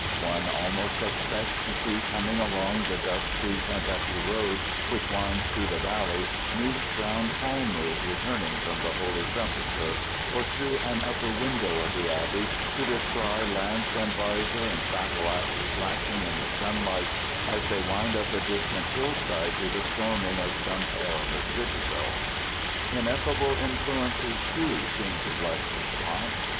One almost expects to see coming along the dusty Kentucky road which winds through the valley meek brown palmers returning from the Holy Sepulchre, or through an upper window of the abbey to descry lance and visor and battle axe flashing in the sunlight as they wind up a distant hill side to the storming of some perilous citadel. Ineffable influences, too, seem to bless the spot.